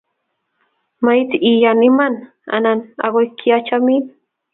mait iyanan iman any ako kiachamin